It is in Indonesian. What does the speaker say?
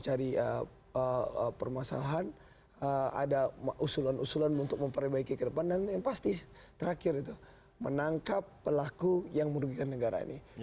mencari permasalahan ada usulan usulan untuk memperbaiki ke depan dan yang pasti terakhir itu menangkap pelaku yang merugikan negara ini